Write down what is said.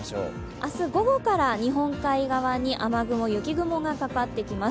明日午後から日本海側に雨雲、雪雲がかかってきます。